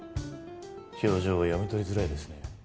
表情が読み取りづらいですね。